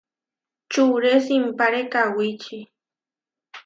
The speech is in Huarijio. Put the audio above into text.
Čuré simpáre kawíči.